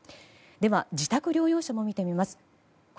では、自宅療養者も見てみます。